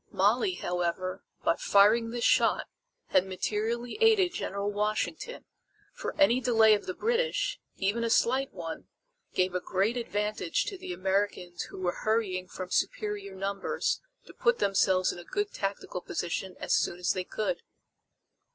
Molly, however, by firing this shot had materially aided General Washington, for any delay of the British, even a slight one, gave a great advantage to the Americans who were hurrying from superior numbers to put themselves in a good tactical position as soon as they could.